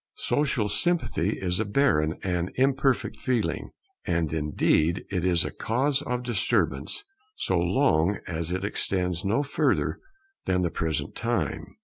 Social sympathy is a barren and imperfect feeling, and indeed it is a cause of disturbance, so long as it extends no further than the present time.